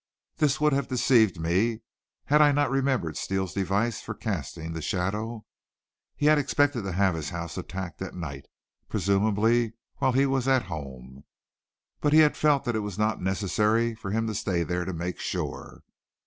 This would have deceived me had I not remembered Steele's device for casting the shadow. He had expected to have his house attacked at night, presumably while he was at home; but he had felt that it was not necessary for him to stay there to make sure.